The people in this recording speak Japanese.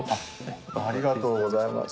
ありがとうございます。